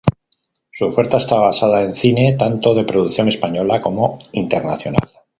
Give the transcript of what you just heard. Su oferta estaba basada en cine, tanto de producción española como internacional.